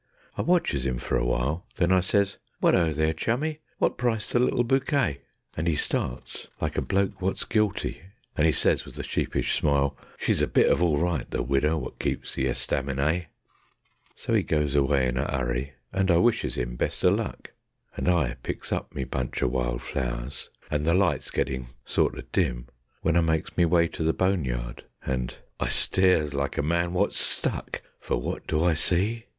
I watches 'im for a while, Then I says: "Wot 'o, there, Chummy! Wot price the little bookay?" And 'e starts like a bloke wot's guilty, and 'e says with a sheepish smile: "She's a bit of orl right, the widder wot keeps the estaminay." So 'e goes away in a 'urry, and I wishes 'im best o' luck, And I picks up me bunch o' wild flowers, and the light's gettin' sorto dim, When I makes me way to the boneyard, and ... I stares like a man wot's stuck, For wot do I see?